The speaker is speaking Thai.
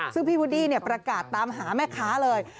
ซึ่งพี่วูดดี้ประกาศตามหาแม่ค้าเลย